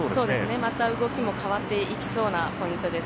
また動きも変わっていきそうなポイントです。